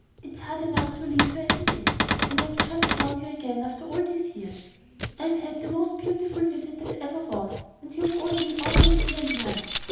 It's hard enough to leave you as it is, when I've just found you again after all these years. I've had the most beautiful visit that ever was, and you've all been awfully dear and nice.